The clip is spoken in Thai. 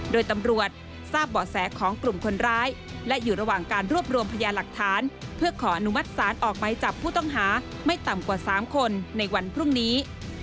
โดยตำรวจทราบเบาะแสของกลุ่มคนร้ายและอยู่ระหว่างการรวบรวมพยาหลักฐานเพื่อขออนุมัติศาลออกไหมจับผู้ต้องหาไม่ต่ำกว่า๓คนในวันพรุ่งนี้